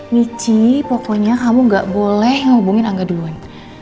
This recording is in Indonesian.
michi pokoknya kamu gak boleh ngehubungin angga duluan